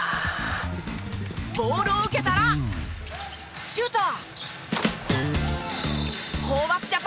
ボールを受けたらシュート！